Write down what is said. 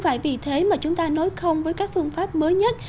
thì thế mà chúng ta nói không với các phương pháp mới nhất